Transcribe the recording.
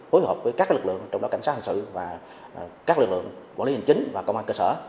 hối hợp với các lực lượng trong đó là cảnh sát hành sự và các lực lượng quản lý hình chính và công an cơ sở